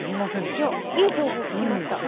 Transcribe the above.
いい情報を聞きました。